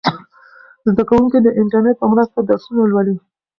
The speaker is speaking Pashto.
زده کوونکي د انټرنیټ په مرسته درسونه لولي.